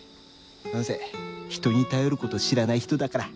なんせ人に頼る事を知らない人だから。